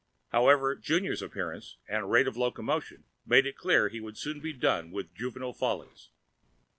However, Junior's appearance and rate of locomotion made it clear he would soon be done with juvenile follies.